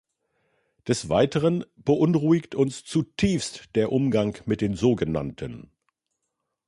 Des Weiteren beunruhigt uns zutiefst der Umgang mit den so genannten .